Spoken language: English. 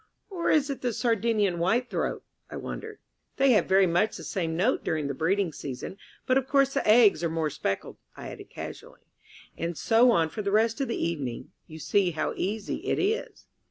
"Or is it the Sardinian White throat?" I wondered. "They have very much the same note during the breeding season. But of course the eggs are more speckled," I added casually. And so on for the rest of the evening. You see how easy it is.